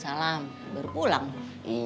sekarang ini adalah mobil aku asap sih